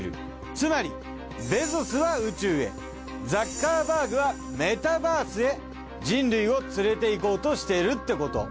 つまりベゾスは宇宙へザッカーバーグはメタバースへ人類を連れて行こうとしているってこと。